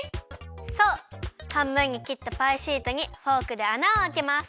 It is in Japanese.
そうはんぶんにきったパイシートにフォークであなをあけます。